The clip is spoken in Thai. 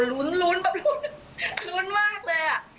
รุ้นแบบรุ้นรุ้นมากเลย